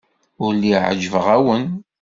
Ur lliɣ ɛejbeɣ-awen.